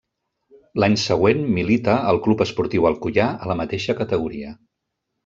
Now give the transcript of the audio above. L'any següent milita al Club Esportiu Alcoià a la mateixa categoria.